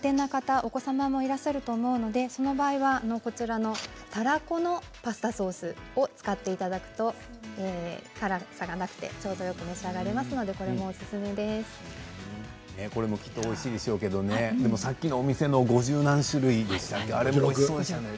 お子さんもいらっしゃると思いますのでその場合は、たらこのパスタソースを使っていただくと辛さがなくてちょうどよく召し上がれますのでこれもきっとおいしいでしょうけれどもさっきのお店の５６。